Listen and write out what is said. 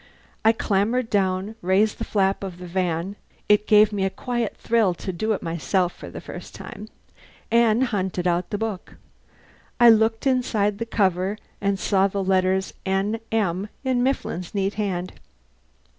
I clambered down, raised the flap of the van (it gave me quite a thrill to do it myself for the first time), and hunted out the book. I looked inside the cover and saw the letters n m in Mifflin's neat hand.